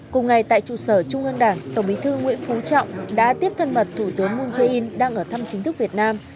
cùng ngày tại trụ sở trung ương đảng tổng bí thư nguyễn phú trọng đã tiếp thân mật thủ tướng moon jae in đang ở thăm chính thức việt nam